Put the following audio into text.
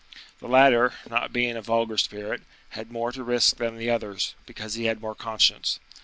The latter, not being a vulgar spirit, had more to risk than the others, because he had more conscience.